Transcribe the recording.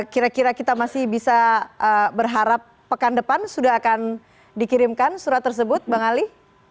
kira kira kita masih bisa berharap pekan depan sudah akan dikirimkan surat tersebut bang ali